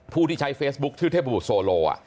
ผู้ที่ใช้เฟซบุ๊คชื่อเทพบุตรโซโล